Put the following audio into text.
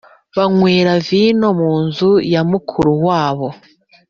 banywera vino mu nzu ya mukuru wabo,